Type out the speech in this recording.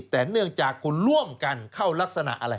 แต่เนื่องจากคุณร่วมกันเข้ารักษณะอะไร